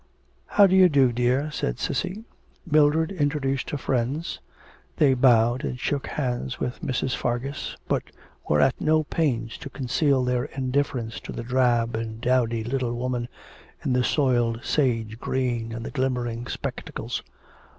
'How do you do, dear,' said Cissy. Mildred introduced her friends. They bowed, and shook hands with Mrs. Fargus, but were at no pains to conceal their indifference to the drab and dowdy little woman in the soiled sage green, and the glimmering spectacles.